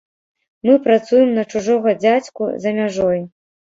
Мы працуем на чужога дзядзьку за мяжой.